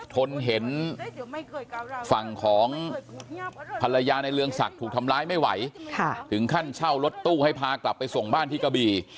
ทนเห็นฝั่งของภรรยาในเรืองศักดิ์ถูกทำร้ายไม่ไหวถึงขั้นเช่ารถตู้ให้พากลับไปส่งบ้านที่กะบี่